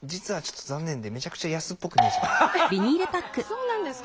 そうなんですか？